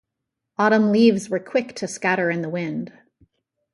Autumn leaves were quick to scatter in the wind